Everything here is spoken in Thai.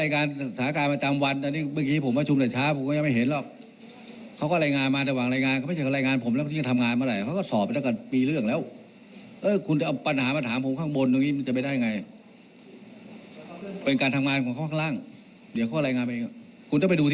นายกบอกว่าไม่ใช่เรื่องยาก